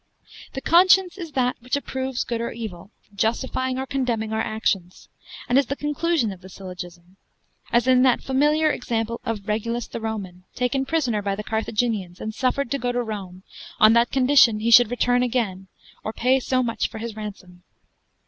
The conscience is that which approves good or evil, justifying or condemning our actions, and is the conclusion of the syllogism: as in that familiar example of Regulus the Roman, taken prisoner by the Carthaginians, and suffered to go to Rome, on that condition he should return again, or pay so much for his ransom.